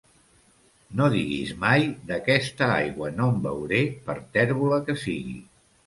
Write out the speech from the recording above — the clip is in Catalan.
No diguis mai d'aquesta aigua no en beuré, per tèrbola que sigui.